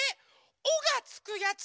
「お」がつくやつ！